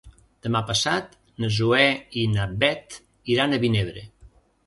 Demà passat na Zoè i na Bet iran a Vinebre.